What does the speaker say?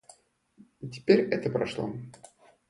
Теперь это прошло.